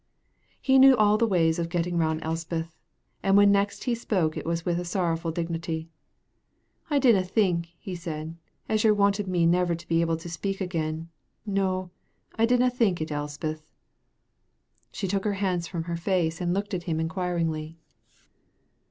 He knew all the ways of getting round Elspeth, and when next he spoke it was with a sorrowful dignity. "I didna think," he said, "as yer wanted me never to be able to speak again; no, I didna think it, Elspeth." She took her hands from her face and looked at him inquiringly.